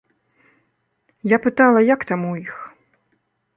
Я пытала, як там у іх.